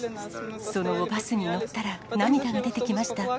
その後、バスに乗ったら涙が出てきました。